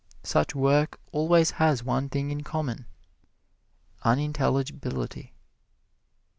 Such work always has one thing in common unintelligibility.